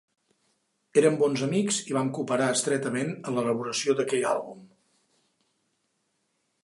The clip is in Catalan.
Érem bons amics i vam cooperar estretament en l'elaboració d'aquell àlbum.